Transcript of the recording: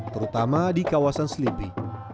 terutama di kawasan selipi